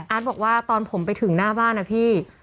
บอกว่าตอนผมไปถึงหน้าบ้านนะพี่